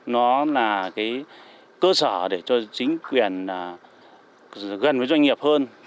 nó là cái cơ sở để cho chính quyền gần với doanh nghiệp hơn